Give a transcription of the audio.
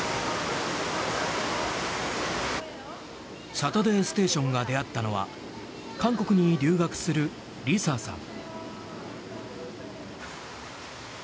「サタデーステーション」が出会ったのは韓国に留学する梨沙さん。